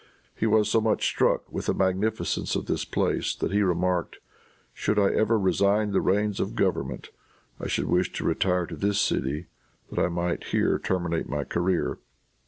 He was so much struck with the magnificence of this place that he remarked, "Should I ever resign the reins of government, I should wish to retire to this city, that I might here terminate my career!"